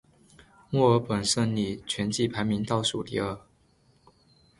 墨尔本胜利全季排名倒数第二。